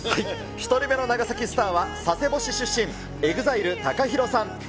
１人目の長崎スターは佐世保市出身、ＥＸＩＬＥ・ＴＡＫＡＨＩＲＯさん。